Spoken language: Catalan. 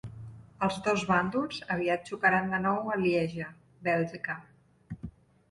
Els dos bàndols aviat xocaran de nou a Lieja, Bèlgica.